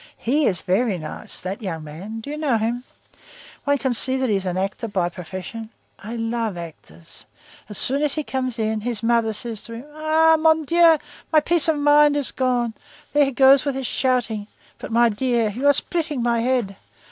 He is very nice, that young man; do you know him? One can see that he is an actor by profession. I love actors. As soon as he comes in, his mother says to him: 'Ah! mon Dieu! my peace of mind is gone. There he goes with his shouting. But, my dear, you are splitting my head!